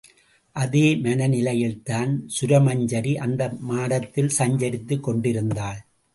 அதே மனநிலையில்தான் சுரமஞ்சரி அந்த மாடத்தில் சஞ்சரித்துக் கொண்டிருந்தாள்.